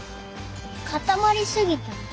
かたまりすぎた。